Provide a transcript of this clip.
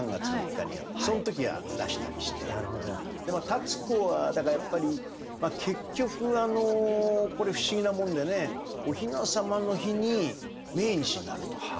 立子はだからやっぱり結局これ不思議なもんでねお雛様の日に命日になると。